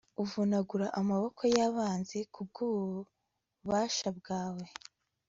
uvunagura amaboko y'abanzi ku bw'ububasha bwe